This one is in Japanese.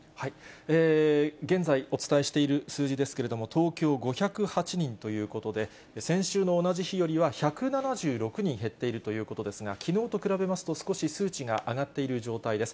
現在お伝えしている数字ですけれども、東京５０８人ということで、先週の同じ日よりは１７６人減っているということですが、きのうと比べますと少し数値が上がっている状態です。